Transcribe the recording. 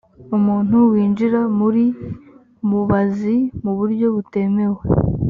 umuntu winjira muri mubazi mu buryo butemewe